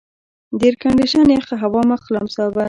د ایرکنډېشن یخه هوا مخ لمساوه.